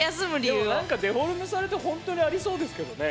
でも何かデフォルメされてほんとにありそうですけどね。